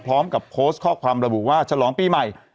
พร้อมกับโพสต์ข้อความระบุว่าฉลองปีใหม่